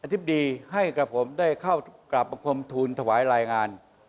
ธิบดีให้กับผมได้เข้ากราบบังคมทูลถวายรายงาน